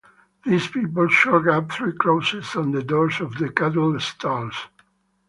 These people chalk up three crosses on the doors of the cattle-stalls.